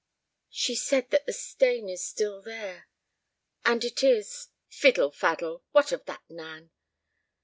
"She said that the stain is still there. And it is—" "Fiddle faddle! What of that, Nan?"